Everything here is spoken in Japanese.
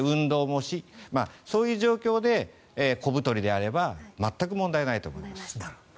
もしそういう状況で小太りであれば全く問題ないと思います。